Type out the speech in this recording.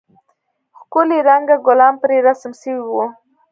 ښکلي رنگه گلان پرې رسم سوي وو.